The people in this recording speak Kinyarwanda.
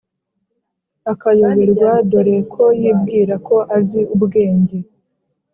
akayoberwa dore ko yibwira ko azi ubwenge”!